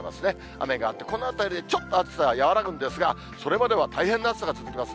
雨があって、このあたりでちょっと暑さ和らぐんですが、それまでは大変な暑さが続きます。